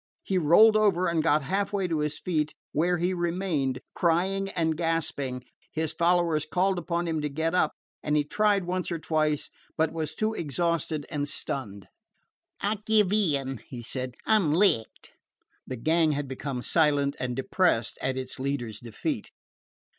He rolled over and got half way to his feet, where he remained, crying and gasping. His followers called upon him to get up, and he tried once or twice, but was too exhausted and stunned. "I give in," he said. "I 'm licked." The gang had become silent and depressed at its leader's defeat.